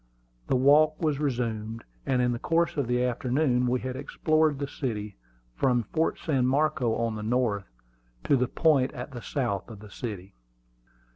The walk was resumed, and in the course of the forenoon we had explored the city, from Fort San Marco, on the north, to the point at the south of the city.